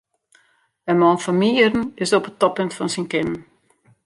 In man fan myn jierren is op it toppunt fan syn kinnen.